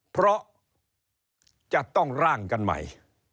เพราะจะต้องร่างกันใหม่